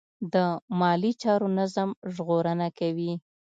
د مالي چارو نظم ژغورنه کوي.